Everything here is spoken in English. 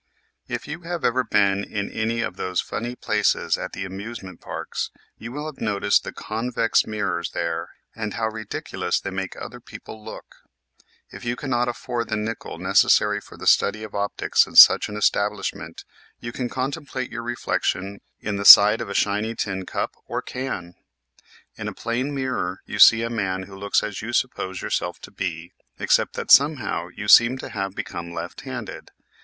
If you have ever been in any of those funny places at the amusement parks you will have noticed the convex mirrors there and how ridiculous they make other people look. If you cannot afford the nickel neces sary for the study of optics in such an establishment you can contemplate your reflection in the side of a 18 EASY LESSONS IN EINSTEIN « shiny tin cup or can. In a plane mirror you see a man who looks as you suppose yourself to be except that somehow you seem to have become left handed.